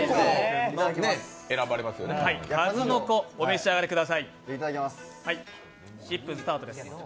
お召し上がりください。